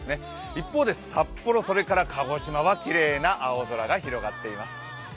一方で札幌、鹿児島はきれいな青空が広がっています。